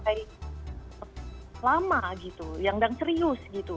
tapi itu bisa sampai lama gitu yang serius gitu